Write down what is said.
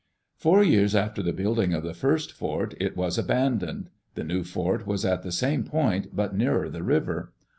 Four years after the building of the first fort, it wa9 abandoned. The new fort was at the same point, but nearer the river.